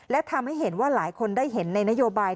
และทำให้เห็นว่าหลายคนได้เห็นในนโยบาย